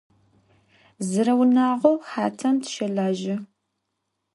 Zereunağou xatem tışelaje.